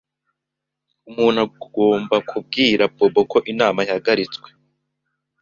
Umuntu agomba kubwira Bobo ko inama yahagaritswe.